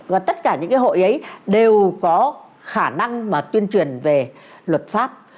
và tất cả những cái hội ấy đều có khả năng mà tuyên truyền về luật pháp